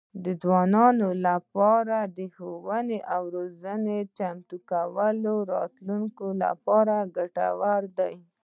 د ځوانانو لپاره د ښوونې او روزنې چمتو کول د راتلونکي لپاره ګټور دي.